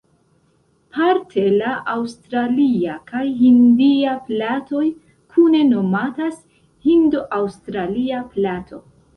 Parte la aŭstralia kaj hindia platoj kune nomatas "hindo-aŭstralia plato".